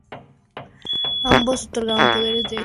Ambos otorgaron poderes a estos "Elegidos".